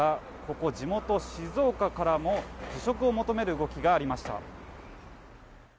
ここ、地元・静岡からも辞職を求める動きがありました。